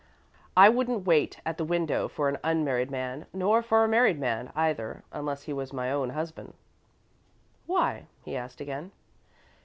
"I wouldn't wait at the window for an unmarried man, nor for a married man, either, unless he was my own husband." "Why?" he asked, again.